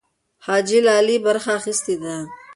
حاجي لالي برخه اخیستې ده.